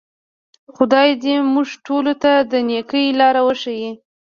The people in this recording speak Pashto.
خدای دې موږ ټولو ته د نیکۍ لار وښیي.